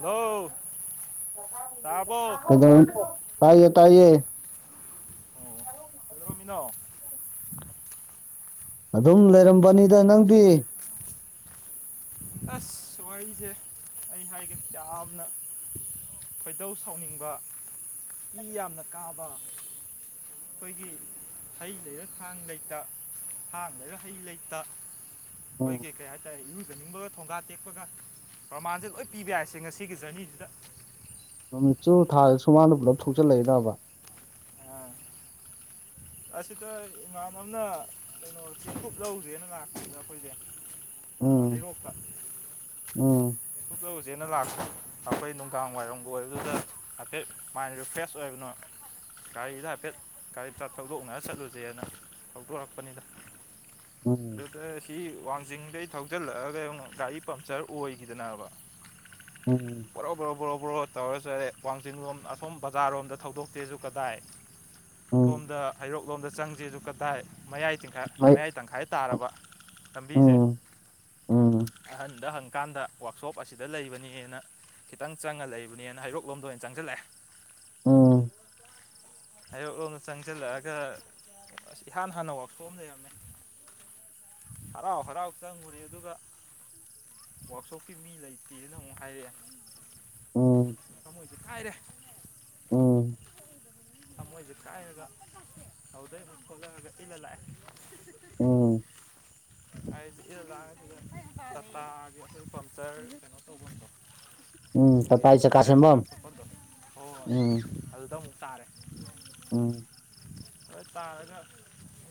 ꯍꯧ ꯇꯥꯏꯌꯦ ꯇꯏꯌꯦ ꯑꯣ ꯀ ꯔꯣꯃꯤꯅꯣ ꯑꯗꯨꯝ ꯂꯩꯔꯝꯕꯅꯤꯗ ꯅꯪꯗꯤ ꯑꯁ ꯋꯥꯔꯤꯁꯦ ꯑꯩ ꯍꯥꯏꯒꯦ ꯌꯥꯝꯅ ꯈꯣꯏꯗꯧ ꯁꯥꯎꯅꯤꯡꯕ ꯏ ꯌꯥꯝꯅ ꯀꯥꯕ ꯑꯩꯈꯣꯏꯒꯤ ꯍꯩ ꯂꯩꯔ ꯈꯥꯡ ꯂꯩꯇ ꯍꯥꯟꯅꯒ ꯍꯩ ꯂꯩꯇ ꯎꯝ ꯑꯩꯈꯣꯏꯒꯤ ꯀꯩ ꯍꯥꯏꯇꯥꯔꯦ ꯂꯩꯅꯤꯡꯕꯒ ꯊꯣꯡꯒꯥ ꯇꯦꯛꯄꯒ ꯄ꯭ꯔꯃꯥꯟꯁꯦ ꯂꯣꯏ ꯄꯤꯕ ꯍꯥꯏꯏꯁꯦ ꯉꯁꯤꯒꯤ ꯖꯔꯅꯤꯁꯤꯗ ꯅꯨꯃꯤꯠꯁꯨꯨ ꯊꯥꯗ ꯁꯨꯃꯥꯡꯗ ꯄꯨꯂꯞ ꯊꯣꯛꯆꯜꯂꯛꯏꯗꯕ ꯑꯥ, ꯑꯁꯤꯗ ꯏꯃꯥꯥꯟ ꯑꯃꯅ ꯀꯩꯅꯣꯁꯤ ꯈꯨꯨꯞ ꯂꯧꯗ꯭ꯔꯦꯅ ꯂꯥꯛꯄꯗ ꯑꯩꯈꯣꯏꯁꯦ ꯎꯝ ꯍꯩꯔꯣꯛꯇ ꯎꯝ ꯍꯩꯀꯣꯛꯇ ꯎꯁꯦꯅ ꯂꯥꯛꯄꯦ ꯑꯩꯈꯣꯏ ꯋꯥꯏꯔꯝꯕꯨ ꯑꯣꯏꯕꯗꯨꯗ ꯍꯥꯏꯐꯠ ꯃꯥꯏꯟ ꯔꯤꯐ꯭ꯔꯦꯁ ꯑꯣꯏꯕꯅꯣ ꯀꯔꯤꯗ ꯍꯥꯏꯦꯠ ꯀ ꯆ ꯊꯧꯗꯣꯛꯅ ꯆꯠꯂꯨꯁꯦꯅ ꯊꯧꯗꯣꯔꯛꯄꯅꯤꯅ ꯎꯝ ꯑꯗꯨꯗ ꯁꯤ ꯋꯥꯡꯖꯤꯡꯗꯩ ꯊꯧꯖꯤꯜꯂꯛꯑꯒ ꯑꯃꯨꯛ ꯒꯥꯔꯤ ꯄꯝꯆꯔ ꯑꯣꯏꯈꯤꯗꯅꯕ ꯎꯝ ꯣꯣ ꯕ꯭ꯔꯣ ꯇꯧꯔꯁꯨ ꯑꯩ ꯋꯥꯡꯖꯤꯡ ꯂꯣꯝ ꯑꯁꯣꯝ ꯕꯖꯥꯔꯣꯝꯗ ꯊꯧꯗꯣꯛꯇꯦꯁꯨ ꯀꯗꯥꯏ ꯎꯝ ꯁꯣꯝꯗ ꯍꯩꯔꯣꯛꯂꯣꯝꯗ ꯆꯪꯁꯤ ꯑꯗꯨ ꯀꯗꯥꯏ ꯃꯌꯥꯏ ꯇꯤꯡꯈꯥꯏ ꯑꯩ ꯃꯌꯥꯏ ꯇꯪꯈꯥꯏ ꯇꯥꯔꯕ ꯂꯝꯕꯤꯁꯦ ꯎꯝ ꯎꯝ ꯑꯍꯟꯗ ꯍꯪꯀꯥꯟꯗ ꯋꯥꯛꯁꯣꯞ ꯑꯁꯤꯗ ꯂꯩꯕꯅꯦꯅ ꯈꯤꯇꯪ ꯆꯪꯉ ꯂꯩꯕꯅꯦꯅ ꯍꯩꯔꯣꯛ ꯂꯣꯝꯗ ꯑꯣꯏꯅ ꯆꯪꯁꯤꯜꯂꯛꯑꯦ ꯎꯝ ꯍꯌꯣꯛ ꯂꯣꯝꯗ ꯆꯪꯁꯤꯜꯂꯛꯑꯒ ꯑꯁ ꯏꯍꯥꯟ ꯍꯥꯟꯅ ꯋꯥꯛꯁꯣꯞ ꯑꯃ ꯂꯩꯔꯝꯃꯦ ꯍꯔꯥꯎ ꯍꯔꯥꯎ ꯆꯪꯉꯨꯔꯤ ꯑꯗꯨꯒ ꯋꯔꯥꯛꯁꯣꯞꯀꯤ ꯃꯤ ꯂꯩꯇꯦꯅ ꯑꯃꯨꯛ ꯎꯝ ꯍꯥꯏꯔꯛꯑꯦ ꯣꯏꯗꯤ ꯍꯥꯏꯥꯏꯔꯦ ꯎꯝ ꯊꯃꯣꯏꯁꯦ ꯈꯥꯏꯔꯒ ꯇꯧꯗꯣꯏ ꯈꯣꯠꯂꯛꯑꯒ ꯏꯜꯂ ꯂꯥꯛꯑꯦ ꯎꯝ [inaudible] ꯑꯩꯗꯤ ꯂ ꯆꯇꯥꯒꯤ ꯄꯝꯆꯔ ꯀꯩꯅꯣ ꯇ ꯎꯝ ꯑꯩꯣꯏꯒꯤ ꯇꯇꯥꯏ ꯆꯀꯥ ꯇꯌꯥ ꯀꯀꯥ ꯁꯦꯝꯕꯝ ꯄꯣꯄꯗꯣ ꯍꯣꯏ ꯍꯣꯏ ꯑꯗꯨꯗ ꯑꯃꯨꯛ ꯇꯥꯔꯦ ꯑ ꯍꯣꯏ ꯇꯥꯅ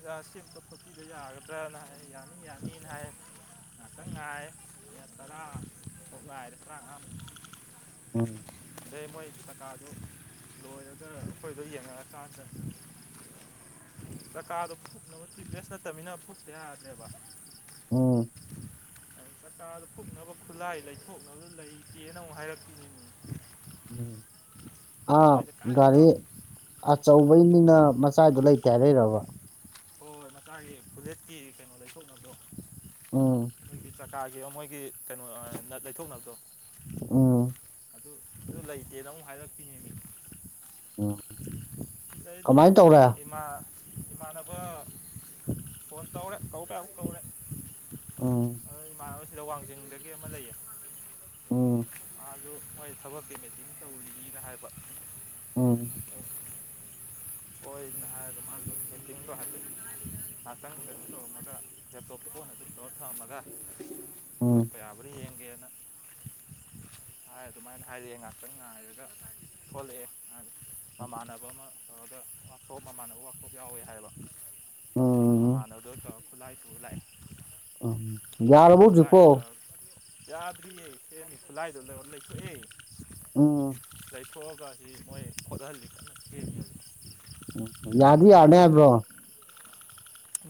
ꯔꯥꯁ ꯄ ꯀ ꯑꯒ꯭ꯔꯅ ꯍꯥꯏ ꯌꯥꯅꯤ ꯌꯥꯅꯤꯅꯅꯥ ꯉꯥꯛꯇꯪ ꯉꯥꯏ ꯇꯔꯥ ꯊꯣꯛꯂ ꯍꯥꯏꯔ ꯇꯔꯥꯥ ꯎꯝ ꯑꯗꯩ ꯃꯣꯏ ꯀꯀꯥꯗꯨ ꯂꯣꯏꯔꯒ ꯑꯩꯈꯣꯏꯗꯣ ꯌꯦꯡꯉꯛꯑꯀꯥꯟꯗ ꯆꯀꯥꯗꯣ ꯐꯨꯛꯅꯕꯨꯨꯛꯇꯤ ꯄꯦꯁ ꯅꯠꯇꯕꯅꯤꯅ ꯐꯨꯨꯞꯛꯇ ꯌꯥꯗ꯭ꯔꯦꯕ ꯎꯝ ꯀꯀꯇꯥꯗ ꯀꯣꯛꯛꯅꯕ ꯈꯨꯠꯂꯥꯏ ꯂꯩꯊꯣꯛꯅꯕ ꯂꯩꯇꯦꯅ ꯑꯃꯨꯛ ꯍꯥꯏꯔꯛꯈꯤꯅꯤ ꯑꯥ ꯊꯃꯣꯏꯁꯦ ꯀꯥꯏꯔꯦꯗ ꯒꯥꯔꯤ ꯑꯆꯧꯕꯩꯅꯤꯅ ꯃꯆꯥꯗꯣ ꯂꯩꯇꯦ ꯂꯩꯔꯕ ꯍꯣꯏ ꯃꯀꯥꯒꯤ ꯐꯗꯦꯠꯀꯤ ꯀꯩꯅꯣ ꯂꯩꯊꯣꯛꯅꯕꯗꯣ ꯎꯝ ꯆꯀꯥꯔꯒꯤ ꯃꯣꯏꯒꯤ ꯀꯩꯅꯣ ꯂꯩꯊꯣꯛꯅꯕꯗꯣ ꯎꯝ ꯑꯗꯨ ꯑꯗꯨ ꯂꯩꯇꯦꯅ ꯑꯃꯨꯛ ꯍꯥꯏꯔꯛꯄꯤꯅꯦꯅꯦ ꯎꯝ ꯀꯃꯥꯏꯅ ꯇꯧꯔꯦ ꯏꯃꯥ ꯏꯃꯥꯟꯅꯕ ꯐꯣꯟ ꯇꯧꯔꯦ ꯀꯧꯔꯦ ꯑꯃꯨꯛ ꯀꯧꯔꯦ ꯎꯝ ꯑ ꯏꯃꯥꯟꯅꯕꯁꯤꯗ ꯋꯥꯡꯖꯤꯡꯗꯒꯤ ꯑꯃ ꯂꯩꯌꯦ ꯑꯣꯝ ꯑꯗꯨꯗ ꯃꯣꯏ ꯊꯕꯛ ꯄꯦꯃꯦꯇꯤꯡ ꯇꯧꯔꯤꯅ ꯍꯥꯏꯕ ꯎꯝ [inaudible] ꯍꯣꯏ ꯅꯍꯥꯟꯇ ꯍꯥꯏꯖꯤꯇꯥꯡꯣꯗ ꯐꯣꯟ ꯑꯗꯨ ꯁꯔ ꯊꯝꯃꯒ ꯎꯝ ꯊꯣꯛꯠꯂꯛꯄ ꯌꯥꯕ꯭ꯔꯥ ꯌꯦꯡꯒꯦꯅ ꯍꯥꯏ ꯑꯗꯨꯃꯥꯏꯅ ꯍꯥꯏꯔꯛꯑꯦ ꯉꯥꯏꯍꯥꯛꯇꯪ ꯉꯥꯏꯔꯒ ꯊꯣꯛꯣꯂꯛꯑꯦ ꯃꯃꯥꯟꯅꯕ ꯑꯃ ꯇꯧꯔꯒ ꯋꯥꯛꯊꯣꯞ ꯃꯃꯥꯟꯅꯕ ꯋꯥꯛꯊꯣꯞ ꯌꯥꯎꯋꯦ ꯍꯥꯏꯕ ꯑꯣ ꯃꯥꯅꯗꯣ ꯆ ꯈꯨꯂꯥꯏ ꯇꯨ ꯂꯩꯥꯏ ꯎꯝ ꯌꯥꯔ ꯃꯠꯖ ꯄꯣ ꯈꯨꯠꯂꯥꯏꯗꯣ ꯇꯧꯔꯒ ꯌꯥꯗ꯭ꯔꯤꯌꯦ ꯈꯨꯂꯥꯏꯗꯨ ꯂꯩꯔ ꯂꯩ ꯑ ꯂꯈꯕꯁꯤ ꯃꯣꯏ ꯍꯣꯗꯍ ꯂꯀ ꯎ ꯌꯥꯗꯤ ꯌꯥꯔꯅꯤ ꯍꯥꯏꯕ꯭ꯔꯣ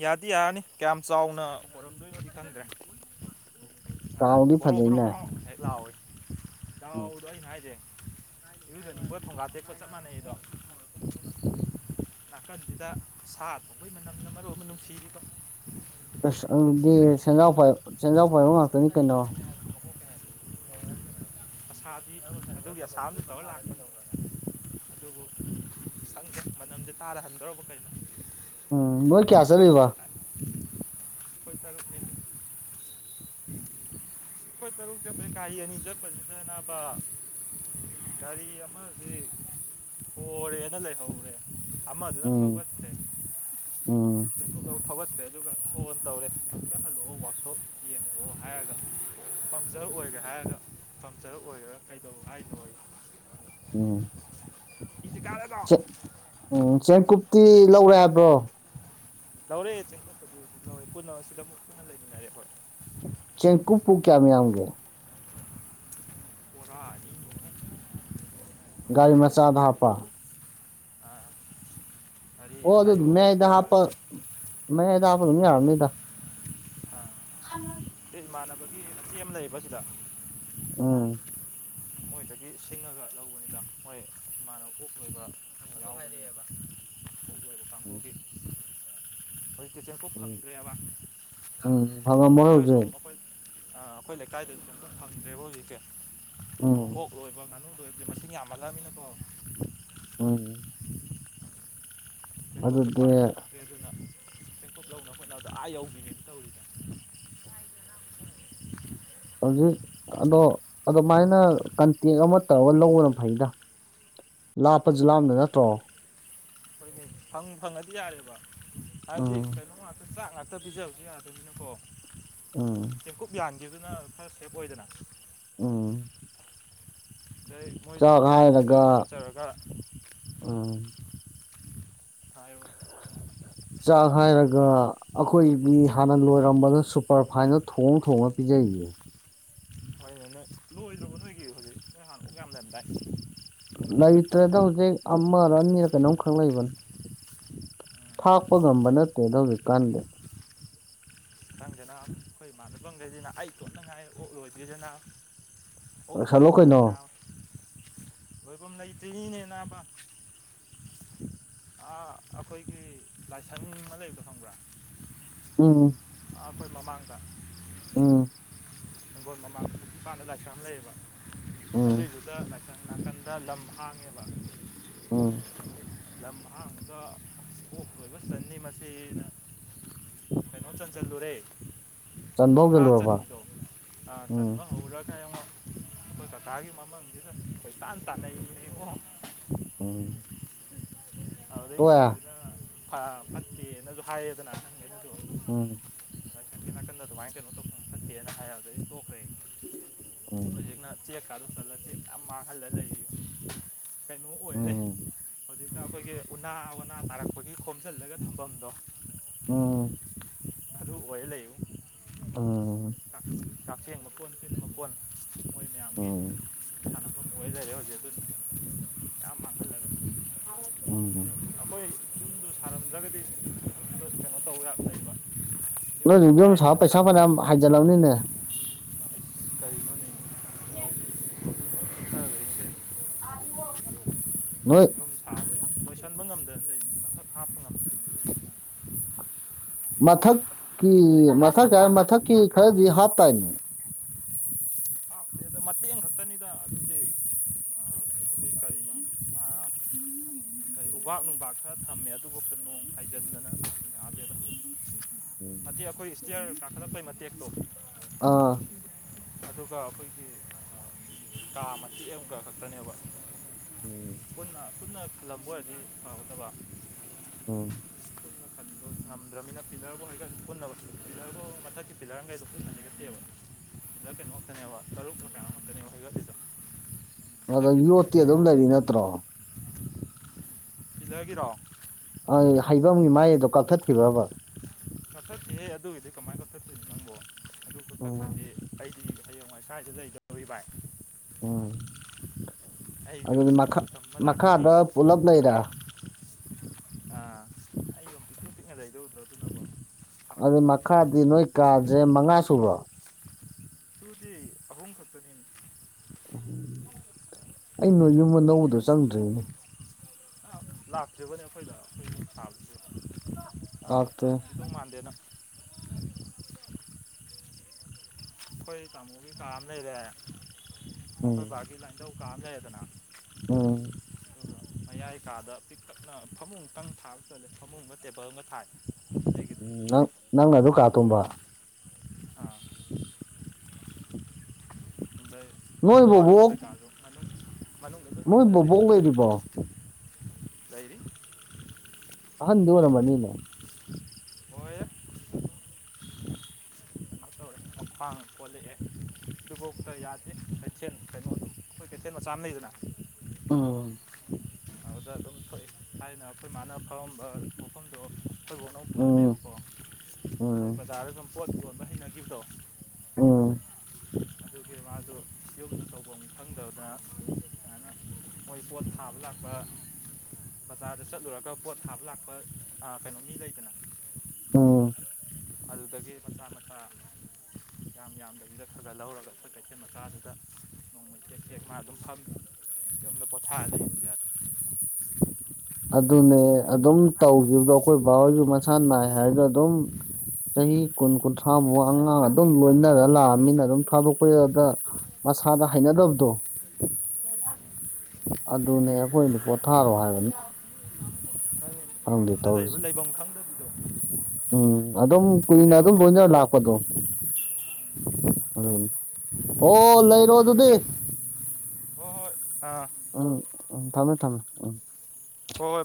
ꯌꯥꯗꯤ ꯌꯥꯔꯅꯤ ꯀꯌꯥꯝ ꯆꯥꯎꯅ ꯑꯣꯏꯔꯝꯗꯣꯏꯅꯣꯗꯤ ꯈꯪꯗ꯭ꯔꯦ ꯉꯁꯥꯏ ꯆꯥꯎꯗꯤ ꯕꯣꯔꯣ ꯕꯣꯔꯣ ꯐꯖꯩꯅꯦ ꯕ꯭ꯔꯣ ꯍꯦꯛ ꯂꯥꯎꯋꯏ ꯎꯝ ꯂꯥꯎꯗꯣ ꯑꯩꯅ ꯍꯥꯏꯁꯦ ꯏꯨꯖꯅꯤꯡꯕ ꯊꯣꯡꯒꯥꯇꯦꯀꯣ ꯆꯞ ꯃꯥꯟꯅꯩꯗꯣ ꯅꯥꯀꯟꯁꯤꯗ ꯁꯥ ꯊ ꯑꯩꯈꯣꯏ ꯃꯅꯝꯅ ꯃꯔꯨ ꯑꯃ ꯅꯨꯡꯁꯤꯔꯤꯕ ꯑꯁ ꯑꯗꯨꯗꯤ ꯁꯤꯈ꯭ꯔꯦ ꯁꯦꯟꯖꯥꯎ ꯄꯥꯏꯕ ꯁꯦꯟꯖꯥꯎ ꯄꯥꯏꯕ ꯉꯥꯛꯇꯅꯤ ꯀꯩꯅꯣ ꯑꯁ ꯑꯗꯨꯒꯤ ꯑꯁꯥ ꯇꯧꯔ ꯂꯥꯛꯒꯦ ꯇꯧꯕ ꯑꯗꯨꯕꯨ ꯁꯪ ꯃꯅꯝꯁꯦ ꯇꯥꯗꯍꯟꯗꯧꯔꯕ ꯀꯩꯅꯣ ꯎꯝ ꯃ ꯀꯌꯥ ꯆꯜ ꯕꯥ ꯄꯩꯁꯥꯒꯇ [unintelligible] ꯇꯔ ꯀ ꯑꯅꯤ ꯆꯠꯄꯅ ꯒꯥꯔꯤ ꯑꯃꯁꯤ ꯍꯣꯔꯦꯅ ꯂꯩꯍꯧꯔꯦ ꯑꯃ ꯑꯗꯨꯔ ꯎꯝ ꯐꯒꯠꯁꯦ ꯎꯝ ꯐꯒ꯭ꯔꯦ ꯑꯗꯨꯒ ꯐꯣꯟ ꯇꯧꯔꯦ ꯀꯪ ꯍꯜꯂꯛꯑꯣ ꯋꯥꯛꯁꯣꯞ ꯌꯦꯡꯉꯛꯑꯣ ꯍꯥꯏꯔꯒ ꯄꯝꯆꯔ ꯑꯣꯏꯒ꯭ꯔꯦ ꯍꯥꯏꯔꯒ ꯄꯝꯆꯔ ꯑꯣꯏꯔꯒ ꯀꯩꯗꯧꯕ ꯍꯥꯏꯅꯣꯏ ꯎꯝ ꯀꯥꯔꯒꯣ ꯆ ꯎꯝ ꯆꯦ ꯀꯤ ꯂꯧꯔꯦ ꯍꯥꯏꯕ꯭ꯔꯣ ꯂꯧꯔꯦ ꯆꯦꯟꯈꯄꯗꯤ ꯄꯨꯟꯅ ꯁꯤꯗ ꯄꯨꯟꯅ ꯂꯩꯃꯤꯟꯅꯔꯦ ꯍꯣꯏ ꯆꯦꯡꯀꯨꯞꯄꯨ ꯀꯌꯥꯝ ꯌꯥꯝꯒꯦ ꯑꯣꯔ ꯒꯥꯔꯤ ꯃꯆꯥꯥꯗ ꯍꯥꯞꯄꯄꯥ ꯑ ꯑꯣ ꯑꯗꯨ ꯃꯌꯥꯏꯗ ꯍꯥꯞꯄ ꯃꯌꯥꯏꯗ ꯍꯥꯞꯄ ꯑꯗꯨꯝ ꯌꯥꯔꯅꯤꯗ ꯑꯥ ꯑ ꯁꯤ ꯏꯃꯥꯟꯅꯕꯒꯤ ꯃ ꯑꯃ ꯂꯩꯌꯦ ꯁꯤꯗ ꯎꯝ ꯃꯣꯏꯗꯒꯤ ꯁꯤꯡꯉꯒ ꯂꯧꯕꯅꯤꯗ ꯍꯣꯏ ꯃꯥꯅ ꯑꯣꯛ ꯂꯣꯏꯕꯕ ꯎꯝ ꯇꯤꯆꯔꯐꯥꯎ ꯐꯪꯗ꯭ꯦꯕ ꯎꯝ ꯐꯪꯉꯝꯃꯔꯣꯏ ꯑꯩꯈꯣꯏ ꯍꯧꯖꯤꯛ ꯁꯨꯝꯝ ꯑꯩꯈꯣꯏ ꯑꯩꯈꯣꯏ ꯂꯩꯀꯥꯏꯗꯁꯨ ꯑꯝ ꯐꯪꯗ꯭ꯔꯦꯕ ꯍꯧꯖꯤꯛꯇꯁꯤ ꯎꯝ ꯑꯣꯛ ꯂꯣꯏꯕ ꯉꯥꯅꯨ ꯂꯣꯏꯕꯗ ꯃꯁꯤꯡ ꯌꯥꯝꯃꯜꯂꯛꯑꯕꯃꯤꯅꯀꯣ ꯑꯣ ꯅꯇꯣꯠꯇ ꯄꯥꯡꯇꯅ ꯑꯦ ꯑꯗꯨꯅ ꯄꯦꯡꯀꯞ ꯌꯧꯅꯕ ꯈꯣꯠꯅꯕꯗ ꯑꯥ ꯌꯧꯕꯤꯅꯦꯅ ꯇꯧꯔꯤꯁꯦ ꯍꯧꯖꯤꯛ ꯑꯗꯣ ꯑꯗꯨꯃꯥꯏꯅ ꯀꯟꯇꯦꯛ ꯑꯃ ꯇꯧꯔꯒ ꯂꯧꯕꯅ ꯐꯩꯗ ꯂꯥꯞꯄꯁꯨ ꯂꯥꯞꯝꯗ ꯅꯠꯇ꯭ꯔꯣ ꯑꯩꯈꯣꯏꯅꯤ ꯐꯪ ꯐꯪꯉꯗꯤ ꯌꯥꯔꯦꯕ ꯍꯥꯏꯗꯤ ꯎꯝ ꯀꯩꯅꯣ ꯉꯥꯛꯇ ꯆꯥꯛ ꯉꯥꯛꯇ ꯍꯛꯇ ꯄꯤꯖꯕꯁꯨ ꯌꯥꯗꯣꯏꯅꯤꯅꯀꯣ ꯎꯝ ꯆꯦꯡꯀꯨꯞ ꯌꯥꯟꯗꯗꯨꯅ ꯈꯔ ꯁꯦꯞ ꯑꯣꯏꯗꯅ ꯎꯝ ꯑꯗꯩ ꯃꯣꯏꯗꯁꯨ ꯆꯥꯛ ꯈꯔ ꯍꯥꯏꯔꯒ ꯅꯝꯖꯔ ꯈꯣꯠꯆꯔꯒ ꯍꯥꯏꯔꯣ ꯆꯥ ꯈꯅ ꯑꯗꯨꯒ ꯑꯩꯈꯣꯏꯒꯤ ꯍꯥꯟꯅ ꯂꯣꯏꯔꯝꯕꯅ ꯁꯨꯄꯔ ꯐꯥꯏꯟꯗ ꯊꯣꯡꯉ ꯊꯣꯡꯉ ꯄꯤꯖꯔꯤꯌꯦ ꯍꯣꯏ ꯅ ꯅ ꯂꯣꯏꯗꯕ ꯅꯣꯏꯒꯤ ꯍꯧꯖꯤꯛ ꯅꯣꯏ ꯍꯥꯟꯅꯨꯛ ꯌꯥꯝ ꯂꯩꯗꯥꯏ ꯂꯩꯇ꯭ꯔꯗ ꯍꯧꯖꯤꯛ ꯑꯃꯔ ꯑꯅꯤꯔ ꯀꯩꯅꯣꯝꯈꯛ ꯂꯩꯕꯅꯤ ꯊꯥꯛꯄ ꯉꯝꯕ ꯅꯠꯇꯦꯗꯣ ꯍꯧꯖꯤꯛꯀꯥꯟꯗꯤ ꯈꯤ ꯅꯪꯗꯅ ꯑꯩꯈꯣꯏ ꯏꯥꯟꯅꯕꯪꯈꯩꯁꯤꯅ ꯑꯩ ꯇꯣꯠꯅꯉꯥꯏ ꯑꯣꯛ ꯂꯣꯏꯗꯣꯏꯔꯤꯗꯅ ꯍ ꯂꯣꯏ ꯂꯣꯏꯁꯜꯂꯣ ꯂꯣꯏ ꯀꯩꯅꯣ ꯅꯥꯔꯦ ꯂꯣꯏꯐꯝ ꯂꯩꯇ꯭ꯔꯤꯅꯦ ꯅꯥꯕ ꯑꯩꯈꯣꯏꯒꯤ ꯂꯥꯏꯁꯪ ꯑꯃ ꯂꯩꯕꯣ ꯈꯪꯕ꯭ꯔꯥ ꯎꯝ ꯑꯈꯣꯏ ꯃꯃꯥꯡꯗ ꯑꯥ ꯍꯪꯒꯣꯜ ꯃꯃꯥꯡ ꯏꯄꯥꯟꯗ ꯂꯥꯏꯁꯥ ꯑꯃ ꯂꯩꯌꯦꯕ ꯎꯝ ꯑꯗꯨꯏꯗꯨꯗ ꯂꯥꯏ ꯁꯀꯟ ꯅꯥꯀꯟꯗ ꯂꯝ ꯍꯥꯡꯉꯦꯕ ꯎꯝ ꯂꯝ ꯑꯍꯥꯡꯗ ꯑꯣꯛ ꯂꯣꯏꯕ ꯁꯟꯅꯤ ꯃꯁꯤꯅ ꯀꯩꯅꯩꯅꯣ ꯆꯟ ꯆꯜꯗꯨꯔꯦ ꯆꯟꯕ ꯃꯈꯥ ꯍꯧꯖꯤꯜꯂꯨꯔꯕ ꯆꯟꯗꯣ ꯑ ꯎꯝ ꯆꯟꯕ ꯍꯧꯔꯒꯡꯉꯛ ꯑꯩꯈꯣꯏ ꯀꯊꯥꯒꯤ ꯃꯃꯥꯡꯁꯤꯅ ꯄꯣꯏ ꯇꯥꯅ ꯆꯥꯅꯩ ꯏꯉꯣ ꯎꯝ ꯑꯗꯨꯗꯩ ꯇꯣꯛꯑꯦ ꯀꯤꯗꯨꯅ ꯐꯠꯇꯦꯅꯁꯨ ꯍꯥꯏꯌꯦꯗꯅꯪ ꯎꯝ ꯅꯥꯀꯟꯗ ꯑꯗꯨꯃꯥꯏꯅ ꯀꯩꯅꯣꯦꯅ ꯍꯥꯏꯣꯛꯈ꯭ꯔꯦ ꯎꯝ ꯍꯧꯖꯤꯅ ꯆꯦꯛꯥꯔ ꯆꯜꯂ ꯆ ꯃꯥꯥꯡꯍꯜꯂ ꯂꯩ ꯀꯩꯅꯣ ꯑꯣꯏꯔꯦ ꯎꯝ ꯍꯧꯖꯤꯛꯅ ꯑꯩꯈꯣꯏꯒꯤ ꯎꯅꯥ ꯎꯅꯥ ꯇꯥꯔꯛꯄꯒꯤ ꯈꯣꯝꯖꯤꯜꯂꯒ ꯊꯝꯐꯝꯗꯣ ꯎꯝ ꯑꯗꯨ ꯑꯣꯏꯍ ꯂꯩꯌꯨ ꯑ ꯀꯥꯛꯆꯦꯡ ꯃꯄꯣꯟ ꯃꯄꯣꯟ ꯎꯝ ꯍꯣꯏꯔꯦ ꯍꯧꯖꯤꯦ ꯎꯝ ꯎ ꯌꯨꯝꯗꯣ ꯁꯥꯔꯝꯗ꯭ꯔꯒꯗꯤꯨꯝꯗ ꯀꯩꯅꯣ ꯇꯧꯕꯗ ꯂꯩꯕ ꯑꯣ ꯌꯨꯝꯗꯨꯅ ꯍꯧꯖꯤꯛ ꯃꯌꯥꯏꯗ ꯑꯗꯨꯝ ꯄꯩꯁꯥ ꯐꯅꯌꯥꯝ ꯍꯥꯏꯖꯤꯜꯂꯕꯅꯤꯅꯦ ꯀꯔꯤꯅꯅꯤ ꯌꯦ [unintelligible] ꯂꯩꯁꯦ [unintelligible] ꯃꯣꯏ ꯂꯣꯏꯁꯟꯕ ꯉꯝꯗꯅ ꯂꯩꯅꯤ ꯃꯊꯛ ꯍꯥꯞꯄ ꯉꯝꯗꯅ [unintelligible] ꯂꯩ ꯃꯊꯛꯀꯤ ꯃꯊꯛ ꯃꯊꯛꯀꯤ ꯈꯔꯗꯤ ꯍꯥꯞꯇꯥꯥꯏꯅꯦ ꯗꯦꯗ ꯃꯇꯦꯛ ꯑꯝ ꯈꯛꯇꯅꯤꯗ ꯑꯗꯨꯗꯤ ꯑ ꯑꯩꯈꯣꯏ ꯀꯔꯤꯅꯣ ꯑꯥ ꯎꯕꯥꯛ ꯅꯨꯡꯕꯥꯛ ꯈꯔ ꯊꯝꯃꯦ ꯑꯗꯨꯕꯨꯛꯇ ꯅꯣꯡ ꯍꯥꯏꯖꯤꯟꯗꯅ ꯌꯥꯗꯦꯗ ꯃꯇꯦꯛ ꯑꯩꯈꯣꯏ ꯏꯁ꯭ꯇꯤꯌꯔ ꯀꯥꯈꯠꯂꯛꯄꯩ ꯃꯇꯦꯛꯇꯣ ꯑꯥ ꯑꯗꯨꯒ ꯑꯩꯈꯣꯏꯒꯤ ꯀꯥ ꯃꯇꯦꯛ ꯑꯝꯒ ꯈꯛꯇꯅꯦꯕ ꯎꯝ ꯄꯨꯟꯅ ꯈꯜꯂꯝꯕ ꯑꯣꯏꯔꯗꯤ ꯐꯒꯗꯕ ꯎꯝ ꯉꯝꯗ꯭ꯔꯃꯤꯅ ꯄꯤꯂꯔꯕꯨ ꯍꯩꯒꯠ ꯄꯨꯟꯅ ꯄꯤꯂꯔꯕꯧ ꯃꯊꯛꯀꯤ ꯄꯤꯂꯔꯒꯩꯗꯣ ꯄꯨꯟꯅ ꯍꯩꯒꯠꯇꯦꯕ ꯄꯤꯂ ꯀꯩꯅꯣ ꯈꯛꯇꯅꯦꯕ ꯇꯔꯨꯛꯂ ꯀꯌꯥꯅꯣꯝꯈꯛꯅꯦꯕ ꯍꯩꯒꯠꯂꯤꯗꯣ ꯑꯗꯣ ꯌꯣꯠꯇꯤ ꯑꯗꯨꯝ ꯂꯩꯔꯤ ꯅꯠꯇ꯭ꯔꯣ ꯄꯤꯂꯔꯒꯤꯔꯣ ꯑꯩ ꯍꯩꯕꯝ ꯃꯥꯏꯗꯣ ꯀꯛꯊꯠꯈꯤꯕ꯭ꯔꯕ ꯀꯛꯊꯠꯇꯦꯍꯦ ꯑꯗꯨꯒꯤꯗꯤ ꯀꯃꯥꯏ ꯀꯛꯊꯠꯇꯣꯏꯅꯣ ꯅꯪꯕꯣ ꯑꯗꯨ ꯀꯊꯛꯈꯗꯤ ꯑꯩ ꯎꯝ ꯑꯩ ꯍꯌꯦꯡꯋꯥꯏ ꯁꯥꯏꯖ [unintelligible] ꯂꯩꯗꯧꯔꯤ ꯕꯥꯏ ꯎꯝ ꯑꯩꯁꯨ ꯑꯗꯨꯗꯤ ꯃꯈ ꯃꯇꯝ ꯑꯃ ꯂꯥꯛꯈꯤꯅꯤ ꯃꯈꯥꯗ ꯄꯨꯂꯞ ꯂꯩꯔꯦ ꯑ ꯑꯩ ꯌꯨꯝ ꯄꯤꯛꯇꯨ ꯄꯤꯛꯅ ꯂꯩꯗꯣ ꯎꯗ꯭ꯔꯣ ꯑꯗꯨꯅꯕꯨ ꯑꯗꯨ ꯀꯥꯈꯨ ꯑꯝꯗ ꯃꯈꯥꯗꯤ ꯅꯣꯏ ꯀꯥꯥꯖꯦ ꯃꯉꯥ ꯁꯨꯕ꯭ꯔꯣ ꯁꯨꯗꯦ ꯑꯍꯨꯝ ꯈꯛꯇꯅꯤ ꯎꯝ ꯑꯩ ꯅꯣꯏ ꯌꯨꯝ ꯑꯅꯧꯕꯗꯣ ꯆꯪꯗ꯭ꯔꯤꯅꯦ ꯂꯥꯛꯇꯔꯤꯕꯅꯦ ꯑꯩꯈꯣꯏꯗ ꯑꯩꯈꯣꯏ ꯌꯨꯝ ꯁꯥꯕꯗꯩ [unintelligible] ꯑ ꯂꯥꯛꯇꯦ ꯂꯥꯥꯛꯑꯝꯒꯤꯗꯧ ꯃꯥꯟꯗꯦ ꯅꯪ ꯑꯩꯈꯣꯏ ꯇꯥꯃꯣꯒꯤ ꯀꯥ ꯑꯝ ꯂꯩꯔꯦ ꯎꯝ ꯑꯩꯈꯣꯏ ꯚꯥꯒꯤ ꯂꯥꯏꯪꯗꯧ ꯀꯥ ꯑꯝ ꯂꯩꯔꯦꯗꯅ ꯎꯝ ꯑꯗꯨꯒ ꯃꯌꯥꯏ ꯀꯥꯗ ꯄꯤꯛꯇꯛꯅ ꯐꯃꯨꯡꯇꯪ ꯊꯥꯕ ꯆꯜꯂꯦ ꯐꯃꯨꯡ ꯑꯝꯒ ꯇꯦꯕꯜ ꯑꯝꯒ ꯊꯥꯏ ꯑꯩꯒꯤꯗꯤ ꯎꯝ ꯅꯪ ꯅꯪꯅ ꯑꯗꯨ ꯀꯥ ꯇꯨꯝꯕꯥ ꯑꯥ ꯅꯣꯏ ꯑ ꯕꯥꯠꯔꯨꯝ ꯕꯣꯕꯣꯛ ꯀꯩ ꯀꯥꯖꯨ ꯉꯟ ꯅꯣꯏ ꯕꯣꯕꯣꯛ ꯂꯩꯔꯤꯕꯣ ꯂꯩꯔꯤ ꯑꯍꯟꯗꯤ ꯑꯣꯏꯔꯝꯃꯅꯤꯅꯦ ꯂꯣꯏꯔꯦ ꯀꯩꯅꯣ ꯇꯧꯔꯦ ꯃꯈ꯭ꯋꯥꯡ ꯀꯣꯜꯂꯛꯑꯦ ꯑꯗꯨꯕꯧꯛꯇ ꯌꯥꯗꯦ ꯀꯩꯊꯦꯜ ꯀꯩꯅꯣꯗꯣ ꯑꯩꯈꯣꯏ ꯀꯩꯊꯦꯜ ꯃꯆꯥ ꯑꯝ ꯂꯩꯗꯅ ꯎꯝ ꯑꯗꯨꯗ ꯑꯗꯨꯝ ꯑꯩꯈꯣꯏ ꯊꯥꯏꯅ ꯑꯩꯈꯣꯏ ꯃꯥꯅ ꯐꯝꯃꯝꯕ ꯃꯐꯝꯗꯣ ꯑꯩꯈꯣꯏꯕꯣꯛꯅ ꯑꯃꯨꯛ ꯎꯝ ꯐꯝꯃꯝꯃꯦꯕꯀꯣ ꯑꯗꯩ ꯎꯝ ꯕꯖꯥꯔꯗ ꯁꯨꯝ ꯄꯣꯠ ꯌꯣꯟꯕ ꯍꯩꯅꯒꯤꯕꯗꯣ ꯎꯝ ꯑꯗꯨꯒꯤ ꯃꯥꯁꯨ ꯌꯨꯝꯗ ꯇꯧꯐꯝ ꯈꯪꯗꯗꯅ [unintelligible] ꯑꯗꯨꯨꯃꯥꯏꯅ [unintelligible] ꯃꯣꯏ ꯄꯣꯠ ꯊꯥꯕ ꯂꯥꯛ ꯄ ꯕꯖꯥꯔꯗ ꯆꯠꯂꯨꯔꯒ ꯄꯣꯠ ꯊꯥꯕ ꯂꯥꯛꯄ ꯑ ꯀꯩꯅꯣ ꯃꯤ ꯂꯩꯗꯅ ꯎꯝ ꯑꯗꯨꯗꯒꯤ ꯃꯊꯥ ꯃꯊꯥ ꯌꯥꯝ ꯌꯥꯝꯗꯕꯤꯗ ꯈꯒ ꯂꯧꯔꯒ ꯑꯩꯈꯣꯏ ꯀꯩꯊꯦꯜ ꯃꯆꯥꯗꯨꯗ ꯅꯣꯡꯃꯩ ꯇꯦꯛ ꯇꯦꯛ ꯃꯥ ꯑꯗꯨꯝ ꯐꯝꯃꯤ ꯌꯨꯝꯗ ꯄꯣꯊꯥꯔ ꯂꯩꯌꯨ ꯌꯥꯗꯦ ꯑꯗꯨꯅꯦ ꯑꯗꯨꯝ ꯇꯧꯒꯤꯕꯗꯣ ꯑꯩꯈꯣꯏ ꯕꯥꯍꯣꯏꯖꯨ ꯃꯁꯥ ꯅꯥꯏ ꯍꯥꯏꯔꯒ ꯑꯗꯨꯝ ꯆꯍꯤ ꯀꯨꯟ ꯀꯨꯟꯊ꯭ꯔꯥ ꯃꯨꯛ ꯑꯉꯥꯡ ꯑꯗꯨꯝ ꯂꯣꯏꯅꯔ ꯂꯥꯛꯑꯃꯤꯅ ꯑꯗꯨꯝ ꯊꯥꯗꯣꯛꯄ ꯌꯥꯗ ꯃꯁꯥꯗ ꯍꯩꯅꯗꯕꯗꯣ ꯑꯗꯨꯅꯦ ꯑꯩꯈꯣꯏꯅ ꯄꯣꯊꯥꯔꯣ ꯍꯥꯏꯕꯅꯤ ꯍꯣꯏ ꯈꯪꯗꯦ ꯇꯧꯔꯤꯁꯦ [unintelligible] ꯎꯝ ꯑꯗꯨꯝ ꯀꯨꯏꯅ ꯑꯗꯨꯅꯦꯕ ꯑꯗꯨꯝ ꯃꯣꯏ ꯂꯣꯏꯅ ꯇꯧꯔꯤꯁꯦ ꯂꯥꯛꯄꯗꯣ ꯎꯝ ꯍꯣ ꯂꯩꯔꯣ ꯑꯗꯨꯗꯤ ꯍꯣꯏ ꯍꯣꯏ ꯑꯥ ꯎꯝ ꯎꯝ ꯊꯝꯃꯦ ꯊꯝꯃꯦ ꯎꯝ ꯍꯣꯏ ꯍꯣꯏ ꯚꯥꯏ